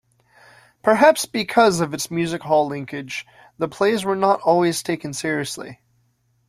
Perhaps because of its music hall linkage, the plays were not always taken seriously.